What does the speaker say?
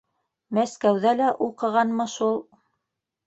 Мәскәүҙә лә уҡығанмы шул...